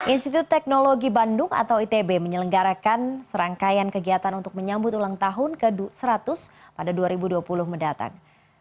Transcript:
institut teknologi bandung atau itb menyelenggarakan serangkaian kegiatan untuk menyambut ulang tahun ke seratus pada dua ribu dua puluh mendatang